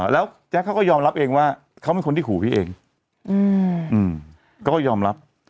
แล้วแจ๊คเขาก็ยอมรับเองว่าเขาเป็นคนที่ขู่พี่เองก็ยอมรับ